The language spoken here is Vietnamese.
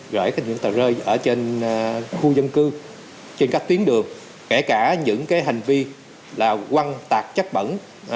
rễ những tà rơi ở trên khu dân cư trên các tuyến đường kể cả những hành vi quăng tạc chắc bẩn